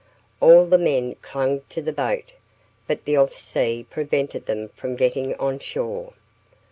All the men clung to the boat, but the off sea prevented them from getting on shore.